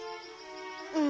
うん。